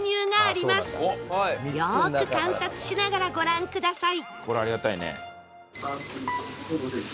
よーく観察しながらご覧ください